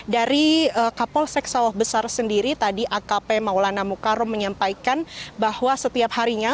dari kapol sek sawah besar sendiri tadi akp maulana mukarum menyampaikan bahwa setiap harinya